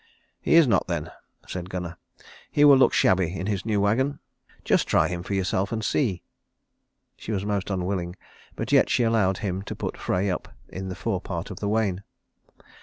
"He is not then," said Gunnar. "He will look shabby in his new wagon. Just try him for yourself and see." She was most unwilling, but yet she allowed him to put Frey up in the forepart of the wain.